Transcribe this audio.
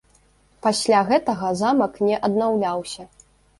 Пасля гэтага замак не аднаўляўся.